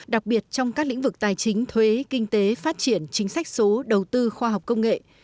đặc biệt trong các lĩnh vực tài chính thuế kinh tế phát triển chính sách số đầu tư khoa học công nghệ